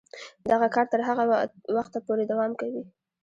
دغه کار تر هغه وخته پورې دوام کوي.